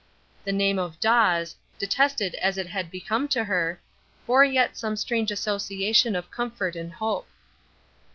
The name of "Dawes", detested as it had become to her, bore yet some strange association of comfort and hope.